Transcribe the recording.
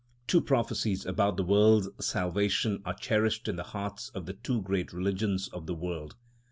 Two prophecies about the world's salvation are cherished in the hearts of the two great religions of the world.